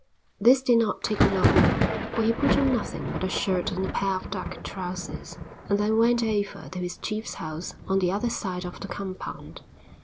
This did not take long, for he put on nothing but a shirt and a pair of duck trousers and then went over to his chief's house on the other side of the compound.